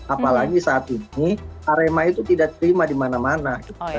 apalagi saat ini arema itu tidak terima dimana mana